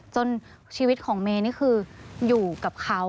ชีวิตของเมย์นี่คืออยู่กับเขา